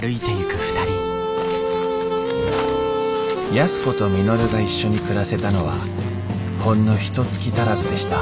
安子と稔が一緒に暮らせたのはほんのひとつき足らずでした。